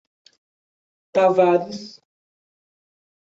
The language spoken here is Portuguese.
Tavares